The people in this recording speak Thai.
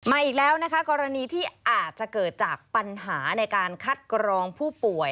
อีกแล้วนะคะกรณีที่อาจจะเกิดจากปัญหาในการคัดกรองผู้ป่วย